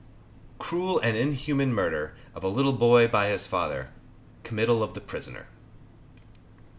CRUEL AND INHUMAN MURDER Of a little Boy, by his Father. COMMITTAL OF THE PRISONER.